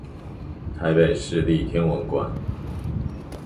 臺北市立天文館